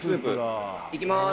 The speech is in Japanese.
いきます